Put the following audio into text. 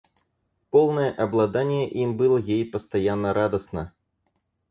Полное обладание им было ей постоянно радостно.